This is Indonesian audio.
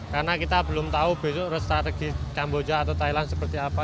karena kita belum tahu besok strategi kamboja atau thailand seperti apa